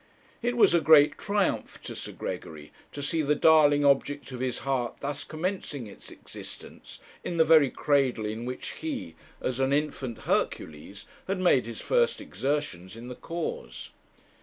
It was a great triumph to Sir Gregory to see the darling object of his heart thus commencing its existence in the very cradle in which he, as an infant Hercules, had made his first exertions in the cause.